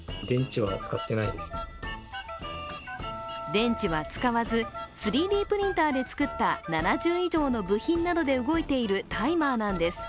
電池は使わず、３Ｄプリンターで作った７０以上の部品などで動いているタイマーなんです。